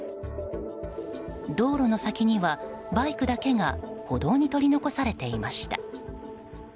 道路の先にはバイクだけが歩道に取り残されていました。